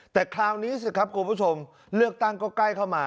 แต่คราวนี้เจอเลือกตั้งก้ว่าใกล้เข้ามา